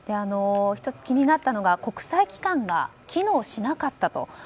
１つ気になったのは国際機関が機能しなかったと。